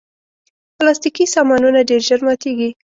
پلاستيکي سامانونه ډېر ژر ماتیږي.